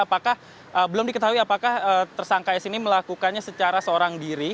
apakah belum diketahui apakah tersangka s ini melakukannya secara seorang diri